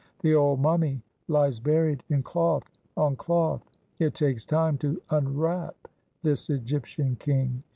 The old mummy lies buried in cloth on cloth; it takes time to unwrap this Egyptian king.